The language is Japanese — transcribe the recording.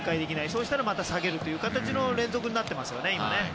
そうしたらまた下げるという形の連続になっていますよね。